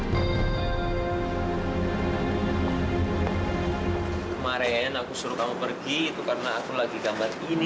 kemarin aku suruh kamu pergi itu karena aku lagi gambar ini